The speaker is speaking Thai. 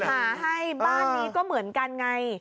หาให้บ้านนี้ก็เหมือนกันไง